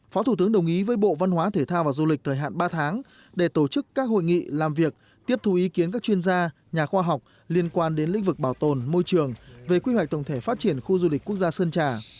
phó thủ tướng đồng ý với bộ văn hóa thể thao và du lịch thời hạn ba tháng để tổ chức các hội nghị làm việc tiếp thu ý kiến các chuyên gia nhà khoa học liên quan đến lĩnh vực bảo tồn môi trường về quy hoạch tổng thể phát triển khu du lịch quốc gia sơn trà